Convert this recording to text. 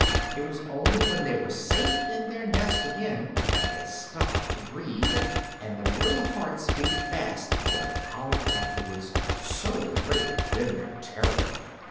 It was only when they were safe in their nest again that they stopped to breathe, and their little hearts beat fast for an hour afterward, so great had been their terror.